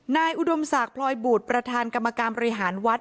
อุดมศักดิ์พลอยบุตรประธานกรรมการบริหารวัด